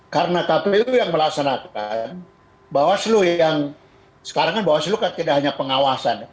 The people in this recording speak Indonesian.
karena kpu yang melaksanakan bawah suluh yang sekarang kan bawah suluh kan tidak hanya pengawasan